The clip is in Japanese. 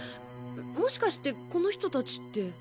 もしかしてこの人達って。